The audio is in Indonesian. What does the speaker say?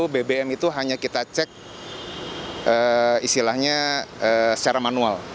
bbm itu hanya kita cek istilahnya secara manual